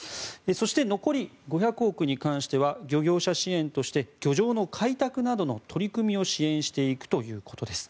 そして、残り５００億に関しては漁業者支援として漁場の開拓などの取り組みを支援していくということです。